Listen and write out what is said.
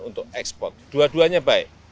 untuk ekspor dua duanya baik